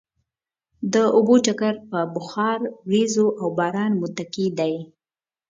د اوبو چکر په بخار، ورېځو او باران متکي دی.